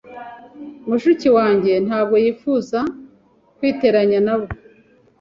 Mushiki wanjye ntabwo yifuza kwiteranya nabo.